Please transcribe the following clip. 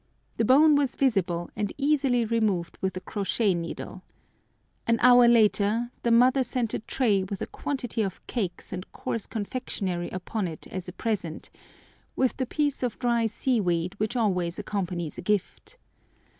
The bone was visible, and easily removed with a crochet needle. An hour later the mother sent a tray with a quantity of cakes and coarse confectionery upon it as a present, with the piece of dried seaweed which always accompanies a gift.